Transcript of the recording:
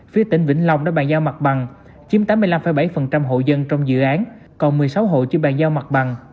phía tỉnh vĩnh long đã bàn giao mặt bằng chiếm tám mươi năm bảy hộ dân trong dự án còn một mươi sáu hộ chưa bàn giao mặt bằng